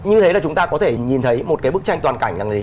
như thế là chúng ta có thể nhìn thấy một cái bức tranh toàn cảnh rằng gì